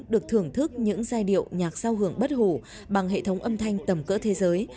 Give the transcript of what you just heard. được thưởng thức những giai điệu nhạc sao hưởng bất hủ bằng hệ thống âm thanh tầm cỡ thế giới